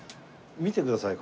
見てください